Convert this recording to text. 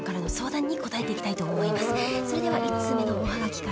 それでは１通目のおハガキから。